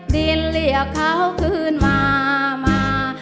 ดินเรียกเขาคืนมามา